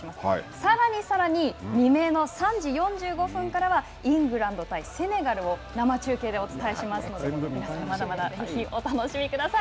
さらにさらに未明の３時４５分からはイングランド対セネガルを生中継でお伝えしますので皆さんまだまだぜひお楽しみください。